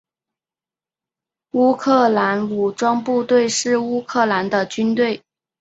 乌克兰武装部队是乌克兰的军队。